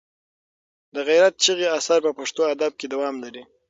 د غیرت چغې اثر په پښتو ادب کې دوام لري.